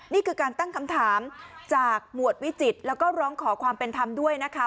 นี่คือการตั้งคำถามจากหมวดวิจิตรแล้วก็ร้องขอความเป็นธรรมด้วยนะคะ